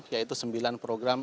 yaitu sembilan program